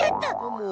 もう。